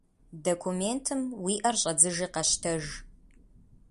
Документым уи ӏэр щӏэдзыжи къэщтэж.